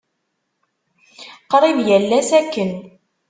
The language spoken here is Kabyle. Qrib yal ass akken.